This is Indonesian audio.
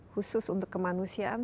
khusus untuk kemanusiaan